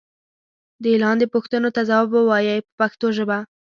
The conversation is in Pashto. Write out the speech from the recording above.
دې لاندې پوښتنو ته ځواب و وایئ په پښتو ژبه.